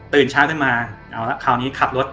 เช้าขึ้นมาเอาละคราวนี้ขับรถ